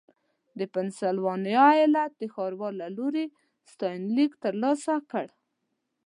د پنسلوانیا ایالت د ښاروال له لوري ستاینلیک ترلاسه کړ.